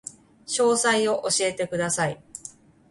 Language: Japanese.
詳細を教えてください